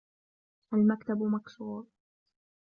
المكتب مكسور.